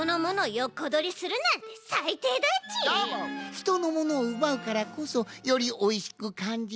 ひとのものをうばうからこそよりおいしくかんじるんだよん。